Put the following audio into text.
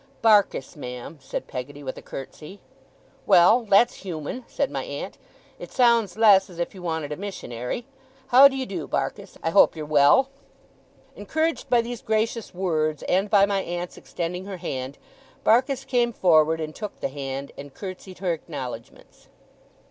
'Barkis, ma'am,' said Peggotty, with a curtsey. 'Well! That's human,' said my aunt. 'It sounds less as if you wanted a missionary. How d'ye do, Barkis? I hope you're well?' Encouraged by these gracious words, and by my aunt's extending her hand, Barkis came forward, and took the hand, and curtseyed her acknowledgements.